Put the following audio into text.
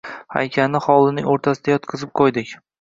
Haykalni hovlining o‘rtasiga yotqizib qo‘ydik…